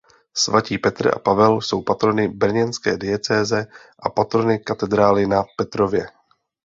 Svatí Petr a Pavel jsou patrony brněnské diecéze a patrony katedrály na Petrově.